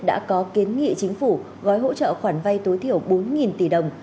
đã có kiến nghị chính phủ gói hỗ trợ khoản vay tối thiểu bốn tỷ đồng